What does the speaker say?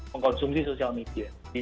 mengkonsumsi sosial media